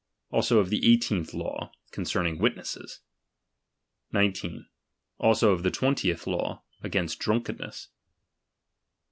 Also of the eighteenth law, coQCerning witnesses. 19. Also of the twentieth law, against drunkenness.